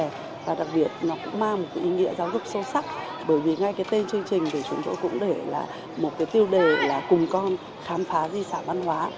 trong cái dịp đầu hè và đặc biệt nó cũng mang một cái ý nghĩa giáo dục sâu sắc bởi vì ngay cái tên chương trình thì chúng tôi cũng để là một cái tiêu đề là cùng con khám phá di sản văn hóa